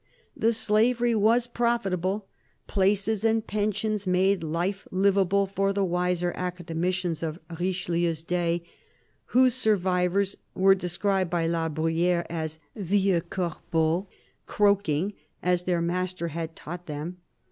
The slavery was profitable : places and pensions made life liveable for the wiser academicians of Richelieu's day — whose survivors were described by La Bruyfere as "vieux corbeaux," croaking as their master had taught them.